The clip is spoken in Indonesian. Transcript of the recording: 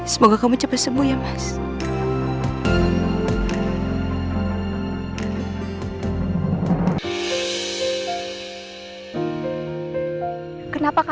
semoga bapak cepat sembuh ya pak